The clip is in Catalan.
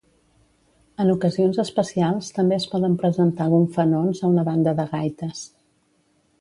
En ocasions especials també es poden presentar gonfanons a una banda de gaites.